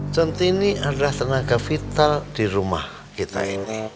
contini adalah tenaga vital di rumah kita ini